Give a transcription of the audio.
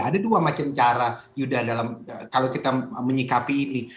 ada dua macam cara yuda kalau kita menyikapi ini